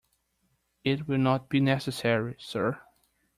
It will not be necessary, sir.